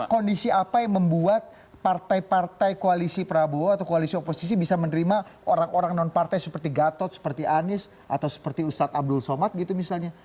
kondisi apa yang membuat partai partai koalisi prabowo atau koalisi oposisi bisa menerima orang orang non partai seperti gatot seperti anies atau seperti ustadz abdul somad gitu misalnya